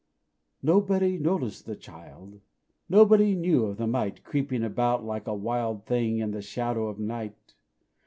Nobody noticed the child Nobody knew of the mite Creeping about like a wild Thing in the shadow of night.